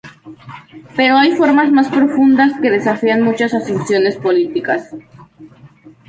Pero hay formas más profundas que desafían muchas asunciones políticas.